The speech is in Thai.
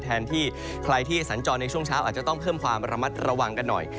แทนที่ใครที่สัญจรในช่วงเช้าอาจจะต้องเพิ่มความระมัดระวังกันหน่อย